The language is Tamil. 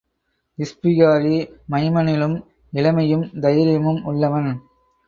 இஸ்பிகாரி மைமனிலும் இளமையும் தைரியமும் உள்ளவன்.